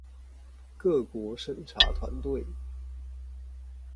各國審查團隊